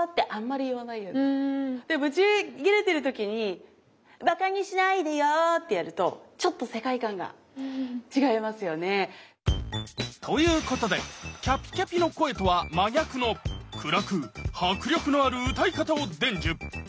でぶちギレてる時に「馬鹿にしないでよ」ってやるとちょっと世界観が違いますよね。ということでキャピキャピの声とは真逆の暗く迫力のある歌い方を伝授。